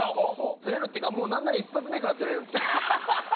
ずれるっていうか何なら一発目からずれるんですけどね。